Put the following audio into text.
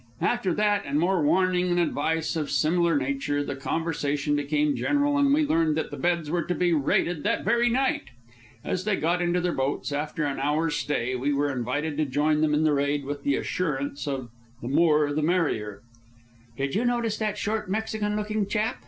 After that and more warning and advice of similar nature, the conversation became general, and we learned that the beds were to be raided that very night. As they got into their boats, after an hour's stay, we were invited to join them in the raid with the assurance of "the more the merrier." "Did you notice that short, Mexican looking chap?"